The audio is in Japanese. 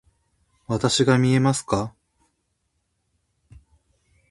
わたしが見えますか？